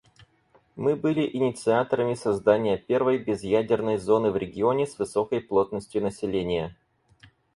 Мы были инициаторами создания первой безъядерной зоны в регионе с высокой плотностью населения.